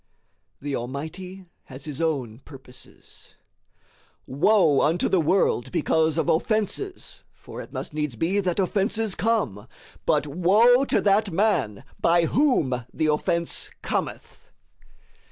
The Almighty has his own purposes. "Woe unto the world because of offenses! for it must needs be that offenses come; but woe to that man by whom the offense cometh."